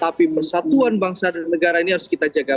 tapi persatuan bangsa dan negara ini harus kita jaga